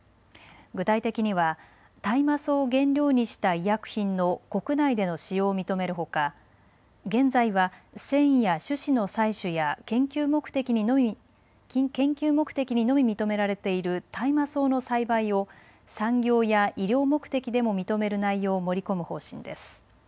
具体的には大麻草を原料にした医薬品の国内での使用を認めるほか現在は繊維や種子の採取や研究目的にのみ認められている大麻草の栽培を産業や医療目的でも認める内容を盛り込む方針です。